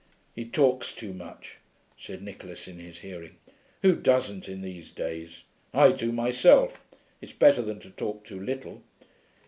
'He talks too much,' said Nicholas, in his hearing. 'Who doesn't, in these days? I do myself. It's better than to talk too little.